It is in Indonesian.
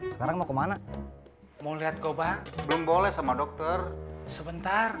sekarang mau kemana mau lihat koba belum boleh sama dokter sebentar